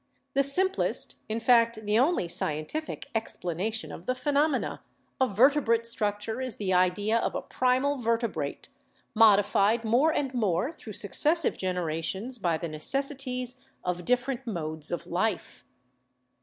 The simplest, in fact the only scientific, explanation of the phenomena of vertebrate structure is the idea of a primal vertebrate, modified more and more through successive generations by the necessities of different modes of Hfe.